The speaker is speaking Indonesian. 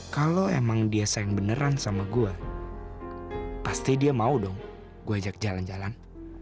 kalau emang dia sayang beneran sama gue pasti dia mau dong gue ajak jalan jalan